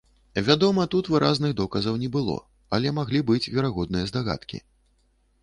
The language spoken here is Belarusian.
Вядома, тут выразных доказаў не было, але маглі быць верагодныя здагадкі.